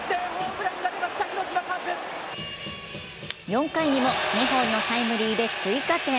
４回にも２本のタイムリーで追加点。